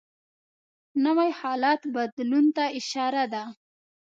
نوی حالت بدلون ته اشاره ده